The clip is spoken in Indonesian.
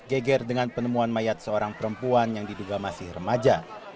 geger dengan penemuan mayat seorang perempuan yang diduga masih remaja